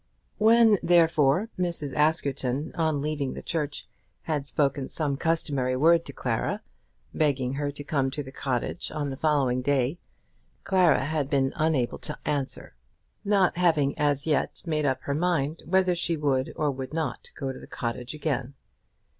When, therefore, Mrs. Askerton on leaving the church had spoken some customary word to Clara, begging her to come to the cottage on the following day, Clara had been unable to answer, not having as yet made up her mind whether she would or would not go to the cottage again.